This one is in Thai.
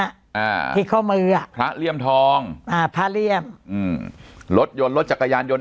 อ่าที่ข้อมืออ่ะพระเลี่ยมทองอ่าพระเลี่ยมอืมรถยนต์รถจักรยานยนต์